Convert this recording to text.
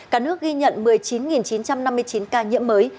cả nước ghi nhận một mươi chín chín trăm năm mươi chín ca nhiễm mới